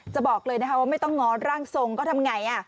จะบอกเลยนะคะว่าไม่ต้องง้อร่างทรงก็ทำไง